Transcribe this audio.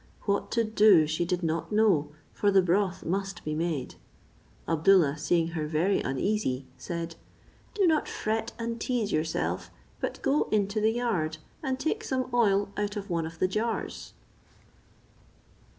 What to do she did not know, for the broth must be made. Abdoollah seeing her very uneasy, said, "Do not fret and teaze yourself, but go into the yard, and take some oil out of one of the jars."